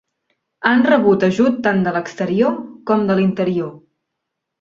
Han rebut ajut tant de l'exterior com de l'interior.